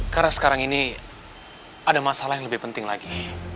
karena sekarang ini ada masalah yang lebih penting lagi